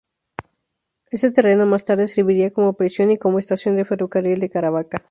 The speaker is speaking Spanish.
Este terreno más tarde serviría como prisión y como estación de ferrocarril de caravaca.